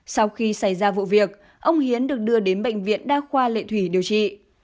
sau khi xảy ra vụ việc ông hiến được đưa đến bệnh viện đa khoa lệ thủy điều trị